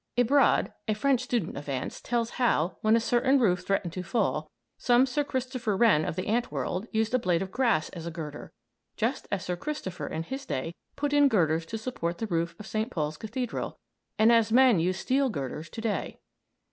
Ebrard, a French student of ants, tells how, when a certain roof threatened to fall, some Sir Christopher Wren of the ant world used a blade of grass as a girder, just as Sir Christopher in his day put in girders to support the roof of Saint Paul's Cathedral, and as men use steel girders to day.